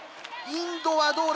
インドはどうだ？